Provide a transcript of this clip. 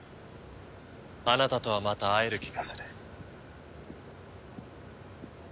あなたとはまた会える気がする。